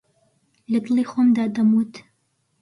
لەدڵی خۆمدا دەموت